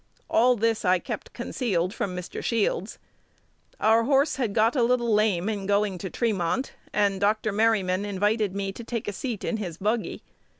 All this I kept concealed from Mr. Shields. Our horse had got a little lame in going to Tremont, and Dr. Merryman invited me to take a seat in his buggy.